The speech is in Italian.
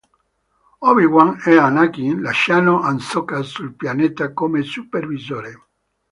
Obi-Wan e Anakin lasciano Ahsoka sul pianeta come supervisore.